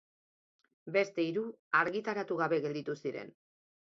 Beste hiru argitaratu gabe gelditu ziren.